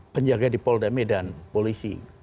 penjaga di polda medan polisi